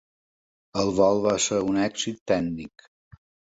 El vol va ser un èxit tècnic.